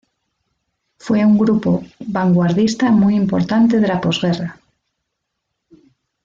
Fue un grupo vanguardista muy importante de la posguerra.